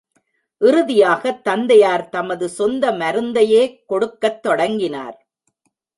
இறுதியாகத் தந்தையார் தமது சொந்த மருந்தையே கொடுக்கத் தொடங்கினார்.